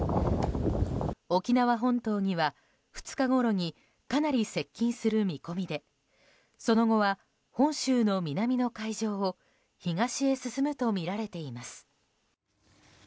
沖縄本島には、２日ごろにかなり接近する見込みでその後は本州の南の海上を東へ進むとみられています。